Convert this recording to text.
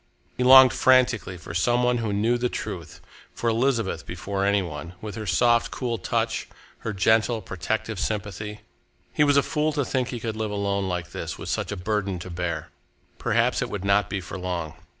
He longed frantically for some one who knew the truth, for Elizabeth before any one, with her soft, cool touch, her gentle, protective sympathy. He was a fool to think he could live alone like this, with such a burden to bear! Perhaps it would not be for long.